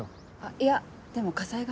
いやでも火災が。